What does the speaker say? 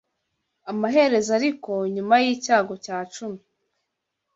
Amaherezo ariko nyuma y’icyago cya cumi